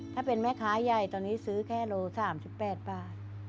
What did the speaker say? ถ้าเป็นแม่ค้าใหญ่ตอนนี้ซื้อแค่โล๓๘บาท